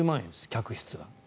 客室が。